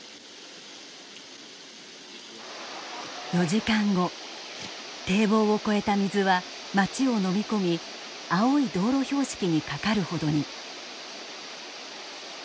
４時間後堤防を越えた水は町をのみ込み青い道路標識にかかるほどに。